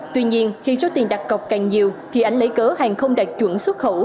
tuy nhiên khi số tiền đặt cọc càng nhiều thì anh lấy cớ hàng không đạt chuẩn xuất khẩu